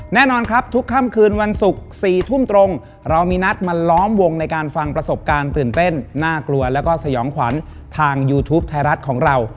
แน่นอนครับทุกค่ำคืนวันศุกร์๔ทุ่มตรงเรามีนัดมาล้อมวงในการฟังประสบการณ์ตื่นเต้นน่ากลัวแล้วก็สยองขวัญทางยูทูปไทยรัฐของเรา